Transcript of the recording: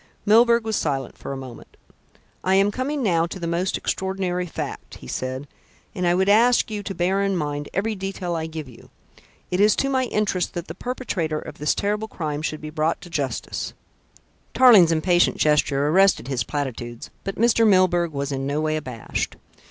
Milburgh was silent for a moment. "I am coming now to the most extraordinary fact," he said, "and I would ask you to bear in mind every detail I give you. It is to my interest that the perpetrator of this terrible crime should be brought to justice " Tarling's impatient gesture arrested his platitudes, but Mr. Milburgh was in no way abashed.